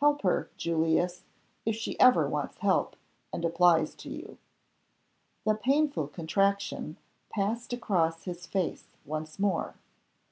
Help her, Julius, if she ever wants help, and applies to you." The painful contraction passed across his face once more.